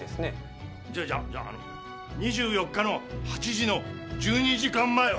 じゃじゃあじゃああの２４日の８時の１２時間前は？